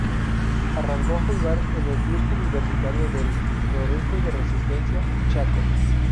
Arrancó a jugar en el Club Universitario del Noreste de Resistencia, Chaco.